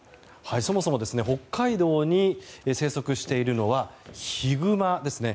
そもそも北海道に生息しているのはヒグマですね。